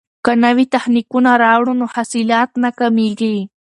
که نوي تخنیکونه راوړو نو حاصلات نه کمیږي.